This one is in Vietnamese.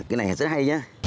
cái này rất hay nhé